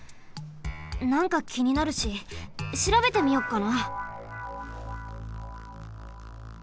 なんかきになるししらべてみよっかな。